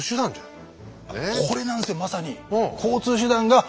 これなんですよまさに。